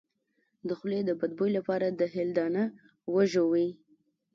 د خولې د بد بوی لپاره د هل دانه وژويئ